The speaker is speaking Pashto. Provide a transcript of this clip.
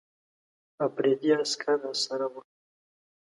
افریدي عسکر راسره ول.